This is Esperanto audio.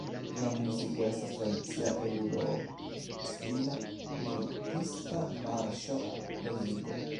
La muziko estas tradicia eŭrop-stila militista marŝo-muziko.